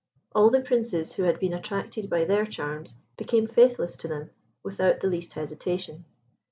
All the Princes who had been attracted by their charms became faithless to them without the least hesitation.